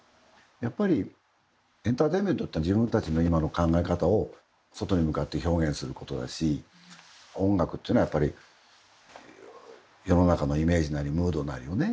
やっぱりエンターテインメントってのは自分たちの今の考え方を外に向かって表現することだし音楽っていうのはやっぱり世の中のイメージなりムードなりをね